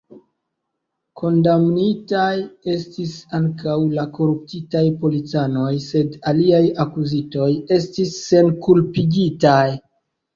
Kondamnitaj estis ankaŭ la koruptitaj policanoj, sed aliaj akuzitoj estis senkulpigitaj.